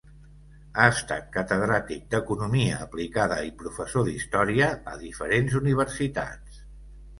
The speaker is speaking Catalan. Ha estat Catedràtic d'Economia Aplicada i professor d'Història a diferents universitats.